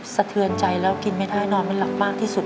สะเทือนใจแล้วกินไม่ได้นอนไม่หลับมากที่สุด